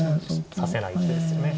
指せない手ですよね。